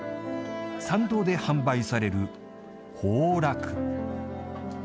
参道で販売される炮烙。